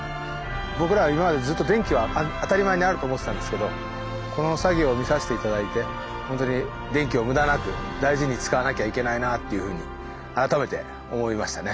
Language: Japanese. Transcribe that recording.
僕らは今までずっと電気は当たり前にあると思ってたんですけどこの作業を見さして頂いてほんとに電気を無駄なく大事に使わなきゃいけないなっていうふうに改めて思いましたね。